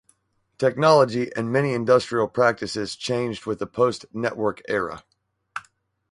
Technology and many industrial practices changed with the post-network era.